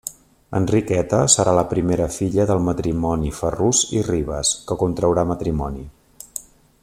Enriqueta serà la primera filla del matrimoni Ferrús i Ribes que contraurà matrimoni.